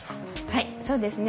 はいそうですね。